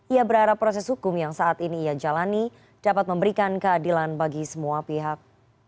ia berharap proses hukum yang saat ini ia jalani dapat memberikan keadilan bagi semua pihak